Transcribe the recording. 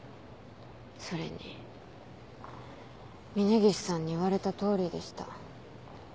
それに峰岸さんに言われた通りでした。